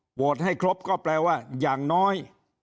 โหวตให้ครบก็แปลว่าอย่างน้อย